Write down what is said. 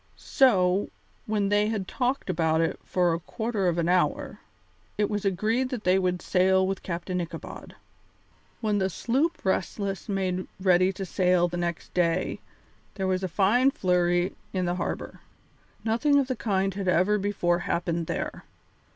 So, when they had talked about it for a quarter of an hour, it was agreed that they would sail with Captain Ichabod. When the sloop Restless made ready to sail the next day there was a fine flurry in the harbour. Nothing of the kind had ever before happened there.